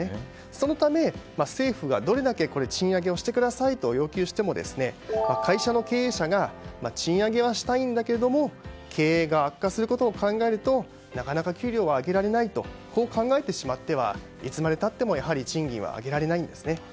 そのため、政府がどれだけ賃上げしてくださいと要求しても、会社の経営者が賃上げはしたいんだけども経営が悪化することを考えるとなかなか給料は上げられないと考えてしまってはいつまで経っても、やはり賃金は上げられないんですね。